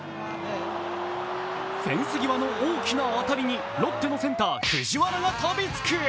フェンス際の大きな当たりにロッテのセンター・藤原が飛びつく